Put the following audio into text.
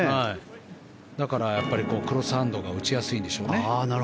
だからクロスハンドが打ちやすいんでしょうね。